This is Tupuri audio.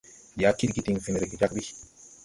Ndi a kidgi diŋ fen rege jag ɓi.